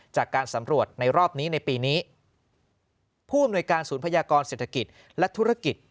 จากการสำรวจในรอบนี้ในปีนี้ผู้อำนวยการศูนย์พยากรเศรษฐกิจและธุรกิจ